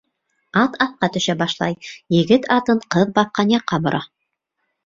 Ат аҫҡа төшә башлай, егет атын ҡыҙ баҫҡан яҡҡа бора.